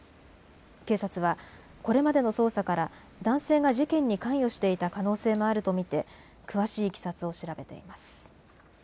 警察はこれまでの捜査から男性が事件に関与していた可能性もあると見て詳しいいきさつを調べています。